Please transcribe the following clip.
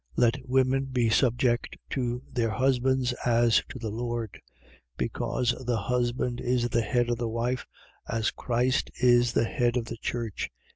5:22. Let women be subject to their husbands, as to the Lord: 5:23. Because the husband is the head of the wife, as Christ is the head of the church.